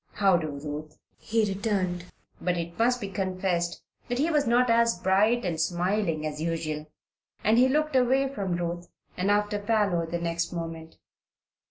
"How do, Ruth," he returned; but it must be confessed that he was not as bright and smiling as usual, and he looked away from Ruth and after Parloe the next moment.